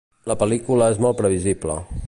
La pel·lícula és molt previsible.